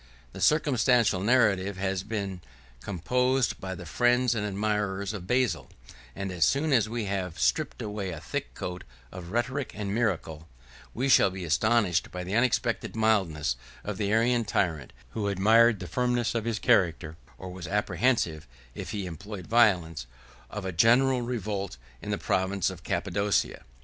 71 The circumstantial narrative has been composed by the friends and admirers of Basil; and as soon as we have stripped away a thick coat of rhetoric and miracle, we shall be astonished by the unexpected mildness of the Arian tyrant, who admired the firmness of his character, or was apprehensive, if he employed violence, of a general revolt in the province of Cappadocia.